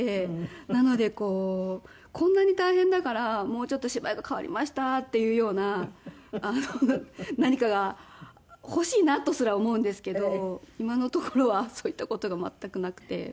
なのでこうこんなに大変だからもうちょっと芝居が変わりましたっていうような何かが欲しいなとすら思うんですけど今のところはそういった事が全くなくて。